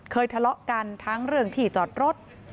ทะเลาะกันทั้งเรื่องที่จอดรถ